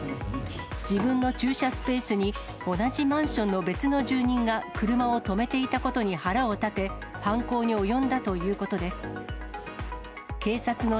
自分の駐車スペースに同じマンションの別の住人が車を止めていたことに腹を立て、犯行に及んだということです。